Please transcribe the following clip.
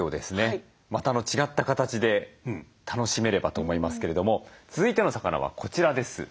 また違った形で楽しめればと思いますけれども続いての魚はこちらです。